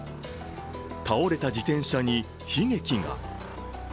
倒れた自転車に悲劇が。